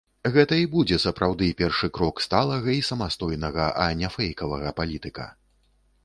Гэта і будзе сапраўды першы крок сталага і самастойнага, а не фэйкавага палітыка.